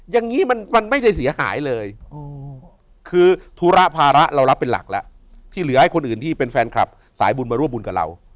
อย่างนี้มันไม่ได้เสียหายเลยคือธุระภาระเรารับเป็นหลักแล้วที่เหลือให้คนอื่นที่เป็นแฟนคลับสายบุญมาร่วมบุญกับเรา